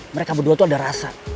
mereka berdua tuh ada rasa